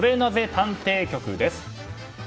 探偵局です。